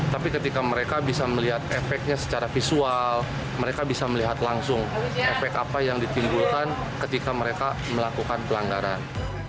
tapi ketika mereka bisa melihat efeknya secara visual mereka bisa melihat langsung efek apa yang ditimbulkan ketika mereka melakukan pelanggaran